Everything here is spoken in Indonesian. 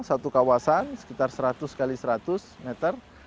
satu kawasan sekitar seratus x seratus meter